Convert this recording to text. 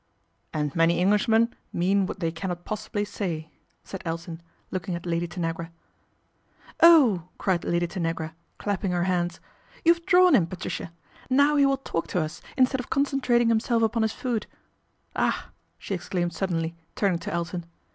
And many Englishmen mean what they cannot ibly say," said Elton, looking at Lady Tanagra. Oh," cried Lady Tanagra, clapping her hands. " You have drawn him, Patricia. Now he will k to us instead of concentrating himself upon food. Ah !" she exclaimed suddenly, turning o Elton.